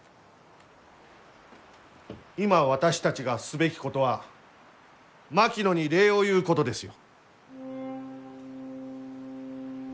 今私たちがすべきことは槙野に礼を言うことですよ。